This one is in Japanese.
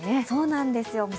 そうなんですよ。